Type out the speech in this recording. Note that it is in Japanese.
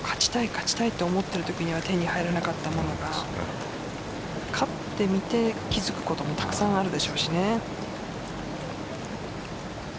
勝ちたいと思っているときには手に入らなかったものが勝ってみて気づくこともたくさんあるでしょうしね。